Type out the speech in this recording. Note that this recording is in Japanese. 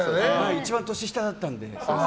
一番年下だったので。